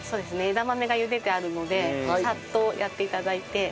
枝豆がゆでてあるのでサッとやって頂いて。